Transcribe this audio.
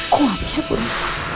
kuat ya puasa